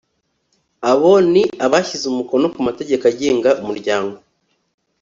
abo ni abashyize umukono ku mategeko agenga umuryango